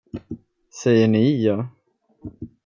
Säger ni, ja.